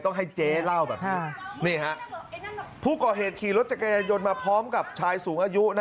ต้องให้เจ๊เล่าแบบนี้นะครับพูดก่อเหตุขี่รถจักรยนต์มาพร้อมกับชายสูงอายุ